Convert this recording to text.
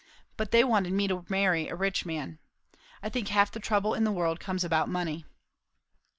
But they wanted me to marry a rich man. I think half the trouble in the world comes about money."